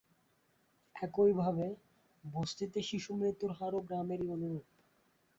একইভাবে, বস্তিতে শিশুমৃত্যুর হারও গ্রামেরই অনুরূপ।